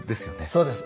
そうです。